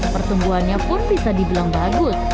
persembuhannya pun bisa dibilang bagus